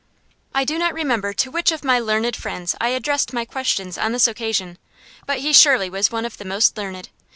I do not remember to which of my learned friends I addressed my questions on this occasion, but he surely was one of the most learned.